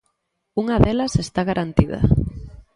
Unha delas está garantida.